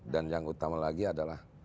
dan yang utama lagi adalah